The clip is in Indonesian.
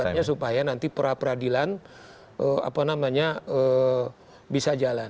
akibatnya supaya nanti peradilan bisa jalan